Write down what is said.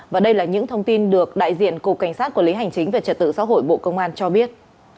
và đây là những thông tin được đại diện cục cảnh sát quản lý hành chính về trật tự xã hội bộ công an cho biết